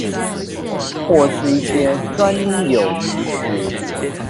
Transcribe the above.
或是一些專有名詞